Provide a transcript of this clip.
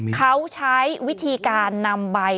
เขาใช้วิธีการนำใบ